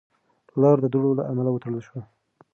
لار د دوړو له امله وتړل شوه.